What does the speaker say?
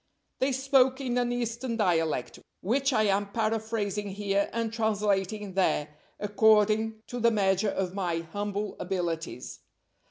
They spoke in an Eastern dialect, which I am paraphrasing here and translating there, according to the measure of my humble abilities.